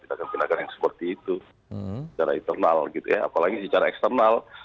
tidak akan berpindahkan yang seperti itu secara internal gitu ya apalagi secara eksternal